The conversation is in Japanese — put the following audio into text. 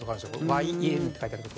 「ＹＥＮ」って書いてある所。